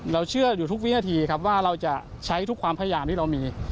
เชื่ออยู่ทุกวินาทีครับว่าเราจะใช้ทุกความพยายามที่เรามี